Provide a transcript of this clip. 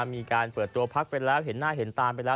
มีการเปิดตัวพักไปแล้วเห็นหน้าเห็นตามไปแล้ว